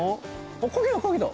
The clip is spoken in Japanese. あっかけたかけた。